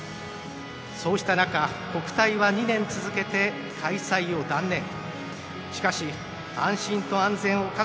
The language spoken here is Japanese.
そうした中、国体は２年続けて開催を断念しました。